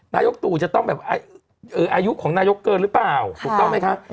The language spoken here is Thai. นายกตู่จะต้องแบบอายุของนายกเกินหรือเปล่าถูกต้องไหมคะ